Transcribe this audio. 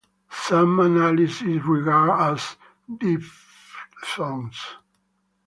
Some analyses regard as diphthongs.